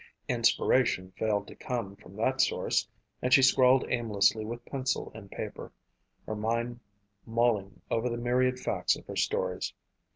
Inspiration failed to come from that source and she scrawled aimlessly with pencil and paper, her mind mulling over the myriad facts of her stories.